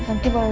nanti mau tidur